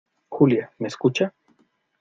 Julia, ¿ me escucha?